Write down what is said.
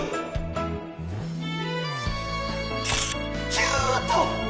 キュート！